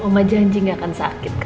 mama janji gak akan sakit ya